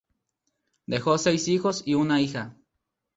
Dejó seis hijos y una hija.